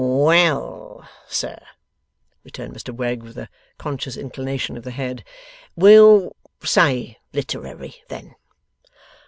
'Well, sir,' returned Mr Wegg, with a conscious inclination of the head; 'we'll say literary, then.